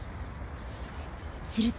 すると、